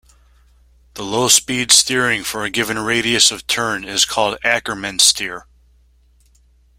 The low-speed steering for a given radius of turn is called Ackermann steer.